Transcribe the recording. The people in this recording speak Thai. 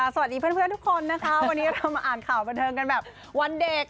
สวัสดีเพื่อนทุกคนนะคะวันนี้เรามาอ่านข่าวบันเทิงกันแบบวันเด็ก